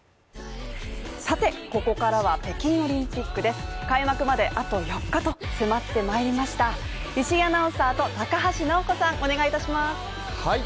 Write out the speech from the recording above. ここからは北京オリンピックです開幕まであと４日と迫ってまいりました石井アナウンサーと高橋尚子さん、お願いいたします。